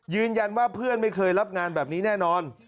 ยืนยันว่าเพื่อนไม่เคยรับงานแบบนี้แน่นอน